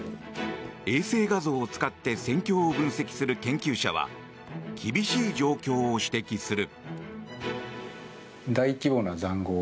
衛星画像を使って戦況を分析する研究者は厳しい状況を指摘する。